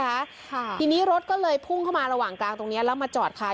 ค่ะทีนี้รถก็เลยพุ่งเข้ามาระหว่างกลางตรงเนี้ยแล้วมาจอดขาย